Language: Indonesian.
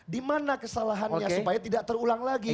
di mana kesalahannya supaya tidak terulang lagi